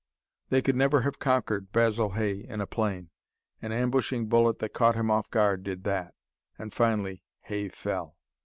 They could never have conquered Basil Hay in a plane. An ambushing bullet that caught him off guard did that. And finally Hay fell.